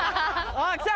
あっ来た！